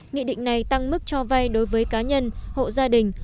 nghị định này tăng mức cho vay đối với cá nhân hộ gia đình